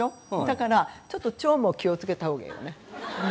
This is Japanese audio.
だからちょっと腸も気をつけた方がいいよね。